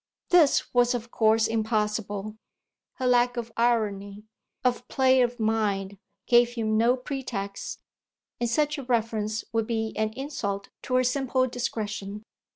This was of course impossible; her lack of irony, of play of mind, gave him no pretext, and such a reference would be an insult to her simple discretion.